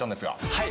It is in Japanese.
はい。